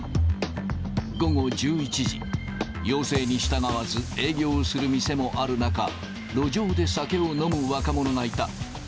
午後１１時、要請に従わず営業する店もある中、路上で酒を飲む若者がいた。